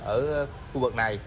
ở khu vực này